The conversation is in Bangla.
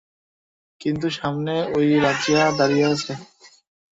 কিন্তু সামনে ওই রাজিয়া দাঁড়িয়ে আছে।